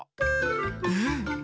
うん。